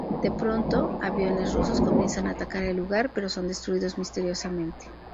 De pronto, aviones rusos comienzan a atacar el lugar, pero son destruidos misteriosamente.